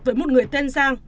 với một người tên giang